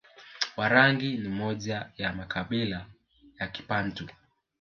Warangi ni moja ya makabila ya Kibantu